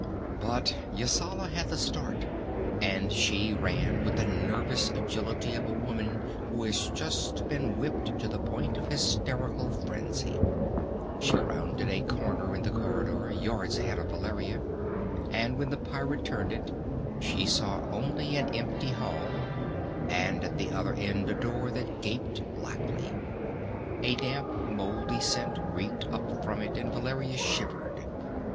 But Yasala had the start, and she ran with the nervous agility of a woman who has just been whipped to the point of hysterical frenzy. She rounded a corner in the corridor, yards ahead of Valeria, and when the pirate turned it, she saw only an empty hall, and at the other end a door that gaped blackly. A damp moldy scent reeked up from it, and Valeria shivered.